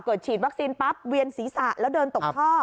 ฉีดวัคซีนปั๊บเวียนศีรษะแล้วเดินตกท่อ